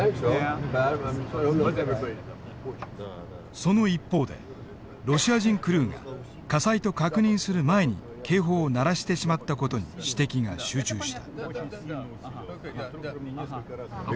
その一方でロシア人クルーが火災と確認する前に警報を鳴らしてしまった事に指摘が集中した。